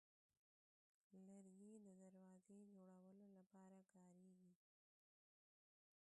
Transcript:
لرګی د دروازې جوړولو لپاره کارېږي.